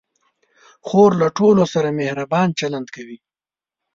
خور له ټولو سره مهربان چلند کوي.